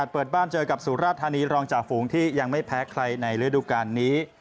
เปิดบ้านเจอกับสุราธานีรองจ่าฝูงที่ยังไม่แพ้ใครในฤดูการนี้